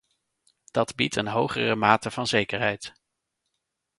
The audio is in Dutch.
Dat biedt een hogere mate van zekerheid.